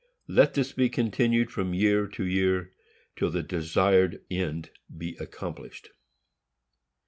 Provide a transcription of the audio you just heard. Let this be continued from year to year, till the desired end be accomplished.